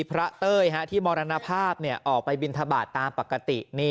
เต้ยที่มรณภาพออกไปบินทบาทตามปกติ